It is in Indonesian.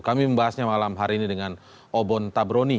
kami membahasnya malam hari ini dengan obon tabroni